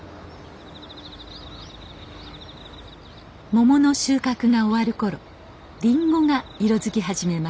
モモの収穫が終わる頃リンゴが色づき始めます。